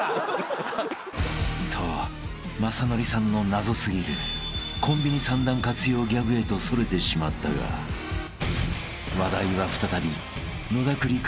［と雅紀さんの謎過ぎるコンビニ三段活用ギャグへとそれてしまったが話題は再び］